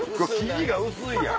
生地が薄いやん。